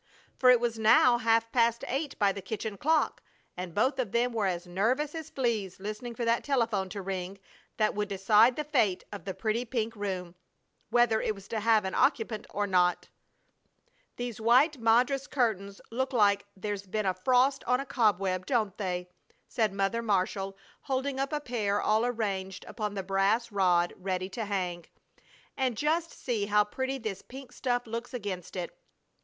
For it was now half past eight by the kitchen clock, and both of them were as nervous as fleas listening for that telephone to ring that would decide the fate of the pretty pink room, whether it was to have an occupant or not. "These white madras curtains look like there's been a frost on a cobweb, don't they?" said Mother Marshall, holding up a pair all arranged upon the brass rod ready to hang. "And just see how pretty this pink stuff looks against it.